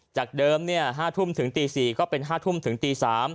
จากเดิม๕ทุ่มถึงตี๔ก็เป็น๕ทุ่มถึงตี๓